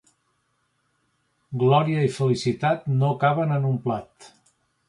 Glòria i felicitat no caben en un plat.